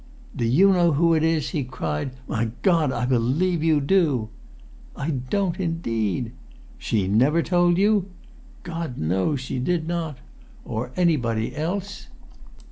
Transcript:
[Pg 15]"Do you know who it is?" he cried. "My God, I believe you do!" "I don't, indeed!" "She never told you?" "God knows she did not." "Or anybody else?"